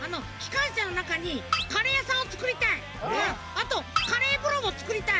あとカレーぶろもつくりたい！